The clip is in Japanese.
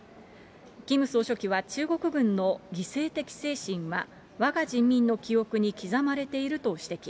キム総書記は、中国軍の犠牲的精神は、わが人民の記憶に刻まれていると指摘。